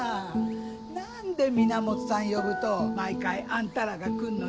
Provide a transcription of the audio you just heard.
何で源さん呼ぶと毎回あんたらが来んのよ。